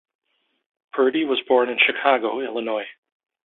Purdy was born in Chicago, Illinois.